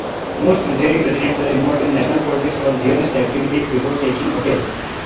Most Israeli presidents were involved in national politics or Zionist activities before taking office.